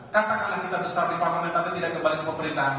katakanlah kita besar di parlemen tapi tidak kembali ke pemerintahan